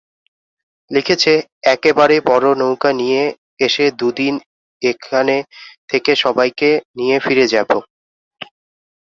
লিখেছে, একেবারে বড় নৌকা নিয়ে এসে দুদিন এখানে থেকে সবাইকে নিয়ে ফিরে যাব।